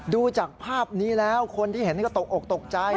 ดูจากภาพนี้แล้วคนที่เห็นก็ตกอกตกใจ